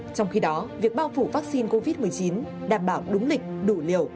trong khi đó việc bao phủ vaccine covid một mươi chín đảm bảo đúng lịch đủ liều